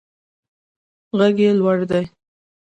غږ یې لوړ دی.